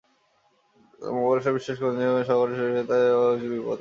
তবে মোবারক শাহ বিশ্বাস করেছিলেন যে সহকারী শাসক হিসাবে তাঁর জীবন অবিচ্ছিন্নভাবে বিপদে পড়বে।